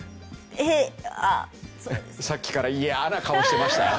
さっきから嫌な顔してましたよ。